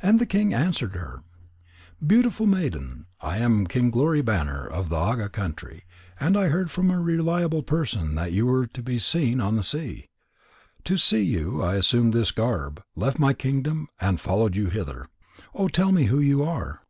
And the king answered her: "Beautiful maiden, I am King Glory banner of the Anga country, and I heard from a reliable person that you were to be seen on the sea. To see you I assumed this garb, left my kingdom, and followed you hither. Oh, tell me who you are."